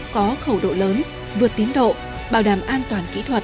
có khẩu độ lớn vượt tiến độ bảo đảm an toàn kỹ thuật